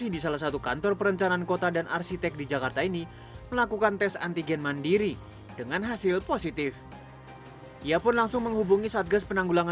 di puskesmas kecamatan tanah abang